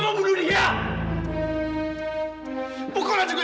sebelum lu gak percaya sama dia